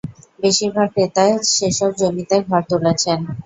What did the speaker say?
বেশির ভাগ ক্রেতা সেসব জমিতে ঘর তুলেছেন।